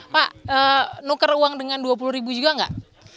pak nukar uang dengan dua puluh ribu juga nggak